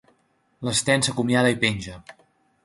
L'Sten s'acomiada i penja.